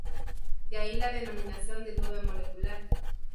De allí la denominación de nube molecular.